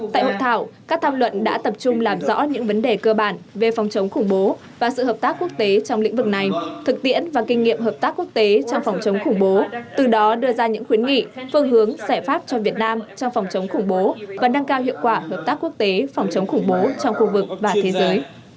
tại hội thảo các tham luận đã tập trung làm rõ những vấn đề cơ bản về phòng chống khủng bố và sự hợp tác quốc tế trong lĩnh vực này thực tiễn và kinh nghiệm hợp tác quốc tế trong phòng chống khủng bố từ đó đưa ra những khuyến nghị phương hướng giải pháp cho việt nam trong phòng chống khủng bố và nâng cao hiệu quả hợp tác quốc tế phòng chống khủng bố trong khu vực và thế giới